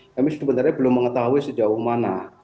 kami sebenarnya belum mengetahui sejauh mana